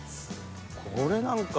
これなんか。